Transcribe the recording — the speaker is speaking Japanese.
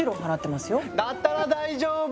だったら大丈夫！